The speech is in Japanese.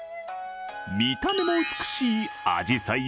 見た目も美しいあじさい